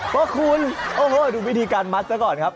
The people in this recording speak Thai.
พระคุณดูวิธีการมัสละก่อนครับ